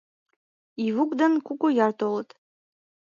Ивук ден Кугуяр толыт.